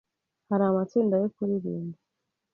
Hari amatsinda yo kuririmba,